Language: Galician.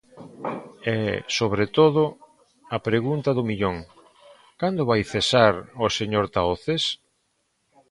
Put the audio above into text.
E, sobre todo, a pregunta do millón: ¿cando vai cesar o señor Tahoces?